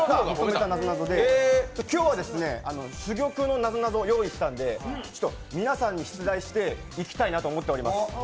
今日は珠玉のなぞなぞを用意したんで皆さんに出題していきたいなと思っております。